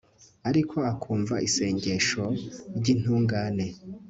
ariko akumva isengesho ry'intungane